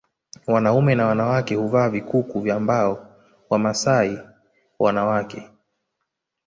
Wanaume na wanawake huvaa vikuku vya mbao Wamasai wanawake